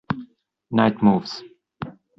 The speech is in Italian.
Night Moves